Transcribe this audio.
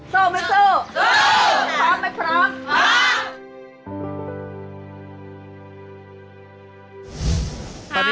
สู้มั้ยสู้สู้พร้อมมั้ยพร้อมพร้อม